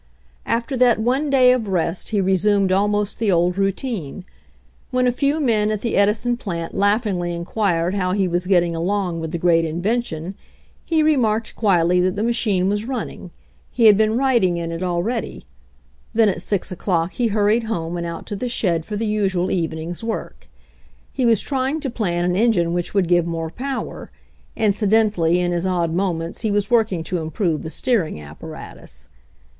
After that one day of rest he resumed almost the old routine. When a few men at the Edison plant laughingly inquired how he was getting along with the great invention he remarked quietly that the machine was running; he had been riding in it already. Then at 6 o'clock he hurried home and out to the shed for the usual evening's work. He was trying to plan an en gine which would give more power; incidentally in his odd moments he was working to improve the steering apparatus.